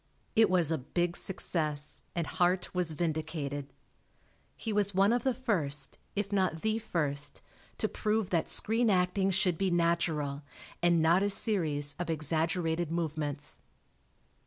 It was a big success, and Hart was vindicated. He was one of the first, if not the first, to prove that screen acting should be natural, and not a series of exaggerated movements.